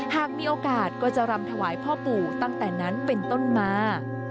หากมีโอกาสก็จะรำถวายพ่อปู่ตั้งแต่นั้นเป็นต้นมา